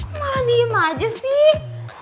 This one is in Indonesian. malah diem aja sih